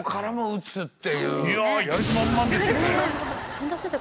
千田先生